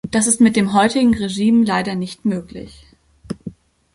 Das ist mit dem heutigen Regime leider nicht möglich.